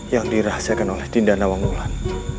yang dirahasiakan oleh dinda nawamulan